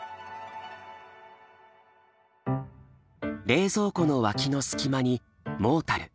冷蔵庫の脇の隙間に「モータル」